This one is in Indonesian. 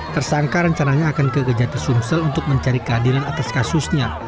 tersangka rencananya akan ke gejati sumsel untuk mencari keadilan atas kasusnya